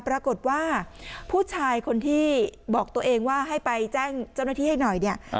ปรากฏว่าผู้ชายคนที่บอกตัวเองว่าให้ไปแจ้งเจ้าหน้าที่ให้หน่อยเนี่ย